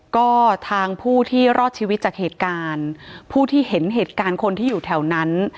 ก็ทางผู้ที่รอดชีวิตจากเหตุการณ์ผู้ที่เห็นเหตุการณ์คนที่อยู่แถวนั้น